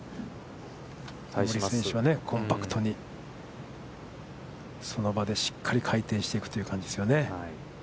コンパクトにそのまましっかり回転していくという感じですよね。